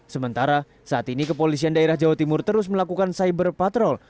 sementara saat ini kepolisian daerah jawa timur terus melakukan cyber patrol